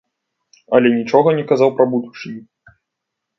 Але нічога не казаў пра будучыню.